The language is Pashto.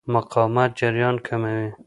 مقاومت جریان کموي.